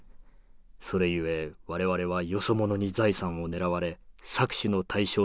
それゆえ我々はよそ者に財産を狙われ搾取の対象となってきたのだ。